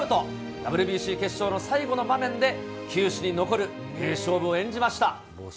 ＷＢＣ決勝の最後の場面で、球史に残る名勝負を演じました。